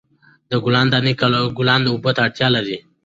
د ګل دانۍ ګلان اوبو ته اړتیا لري.